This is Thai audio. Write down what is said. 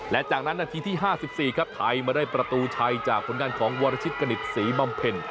แล้วจากนั้นนาทีที่ห้าสิบสี่ครับไทยมาได้ประตูชัยจากผลงานของวารชิตกณิตศีมัมเพ็น